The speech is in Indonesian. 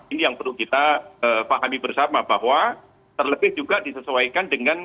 ini yang perlu kita pahami bersama bahwa terlebih juga disesuaikan dengan